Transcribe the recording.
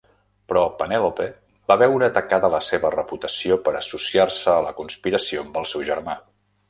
Però Penèlope va veure tacada la seva reputació per associar-se a la conspiració amb el seu germà.